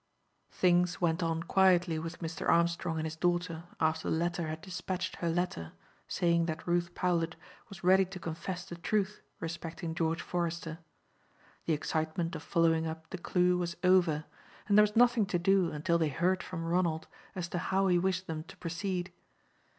Things went on quietly with Mr. Armstrong and his daughter after the latter had despatched her letter, saying that Ruth Powlett was ready to confess the truth respecting George Forester. The excitement of following up the clue was over, and there was nothing to do until they heard from Ronald as to how he wished them to proceed.